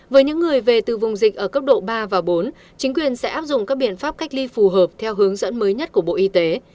với những người về từ vùng dịch ở cấp độ ba và bốn chính quyền sẽ áp dụng các biện pháp cách ly phù hợp theo hướng dẫn mới nhất của bộ y tế